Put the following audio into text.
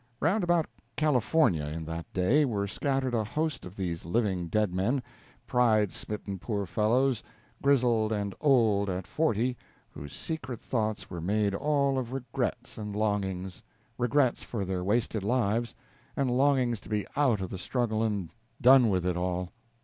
Round about California in that day were scattered a host of these living dead men pride smitten poor fellows, grizzled and old at forty, whose secret thoughts were made all of regrets and longings regrets for their wasted lives, and longings to be out of the struggle and done with it all.